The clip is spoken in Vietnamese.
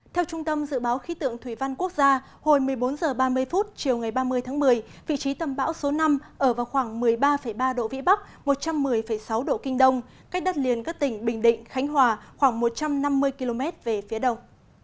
theo trung tâm dự báo khí tượng thủy văn quốc gia hồi một mươi bốn h ba mươi chiều ngày ba mươi tháng một mươi vị trí tâm bão số năm ở vào khoảng một mươi ba ba độ vĩ bắc một trăm một mươi sáu độ kinh đông cách đất liền các tỉnh bình định khánh hòa khoảng một trăm năm mươi km về phía đông